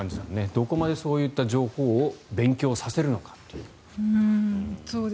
どこまでそういった情報を勉強させるのか。